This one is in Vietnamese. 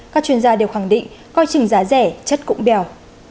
các chuyên gia đều khẳng định coi trình giá rẻ chất cũng bèo